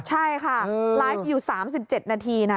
ใช่ค่ะเออไลฟ์อยู่สามสิบเจ็ดนาทีนะ